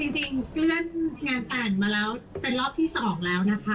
จริงเคลื่อนงานแต่งมาแล้วเป็นรอบที่๒แล้วนะคะ